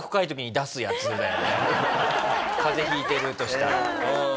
風邪ひいてるとしたら。